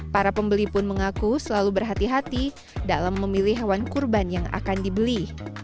para pembeli pun mengaku selalu berhati hati dalam memilih hewan kurban yang akan dibeli